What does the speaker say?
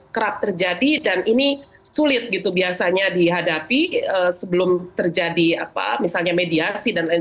kerap terjadi dan ini sulit gitu biasanya dihadapi sebelum terjadi apa misalnya mediasi dan lain lain